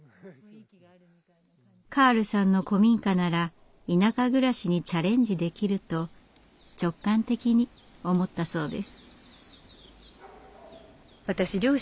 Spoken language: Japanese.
カールさんの古民家なら田舎暮らしにチャレンジできると直感的に思ったそうです。